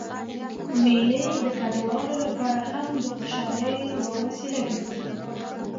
مېلې د کډوالو له پاره هم د خوشحالۍ یوه وسیله ګرځي.